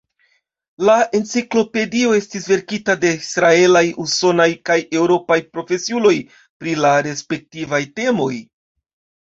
La enciklopedio estis verkita de israelaj, usonaj kaj eŭropaj profesiuloj pri la respektivaj temoj.